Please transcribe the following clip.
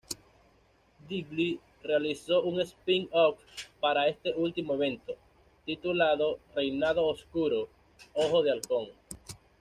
Diggle realizó un "spin-off" para este último evento, titulado "Reinado Oscuro: Ojo de Halcón".